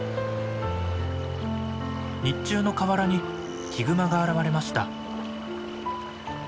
日中の河原にヒグマが現れました。